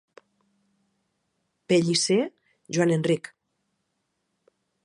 Pellicer, Joan Enric.